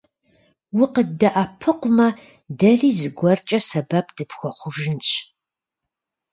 УкъыддэӀэпыкъумэ, дэри зыгуэркӀэ сэбэп дыпхуэхъужынщ.